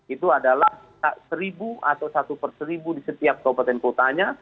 itu adalah seribu atau satu per seribu di setiap kabupaten kotanya